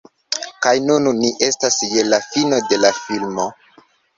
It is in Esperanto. Kaj nun ni estas je la fino de la filmo